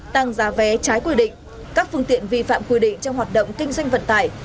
tăng giá vé trái quy định các phương tiện vi phạm quy định trong hoạt động kinh doanh vận tải